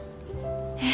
え？